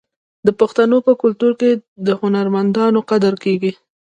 د پښتنو په کلتور کې د هنرمندانو قدر کیږي.